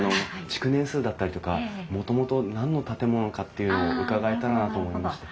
築年数だったりとかもともと何の建物かっていうのを伺えたらなと思いまして。